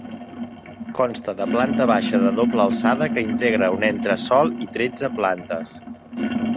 Consta de planta baixa de doble alçada que integra un entresòl i tretze plantes.